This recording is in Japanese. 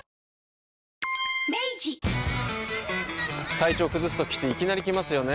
体調崩すときっていきなり来ますよね。